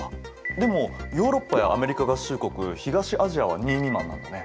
でもヨーロッパやアメリカ合衆国東アジアは２未満なんだね。